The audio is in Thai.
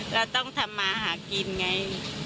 เราต้องทำมาหากินไง